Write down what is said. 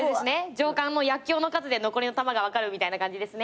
上官の薬きょうの数で残りの弾が分かるみたいな感じですね。